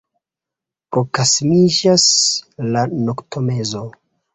Proksimiĝis la noktomezo.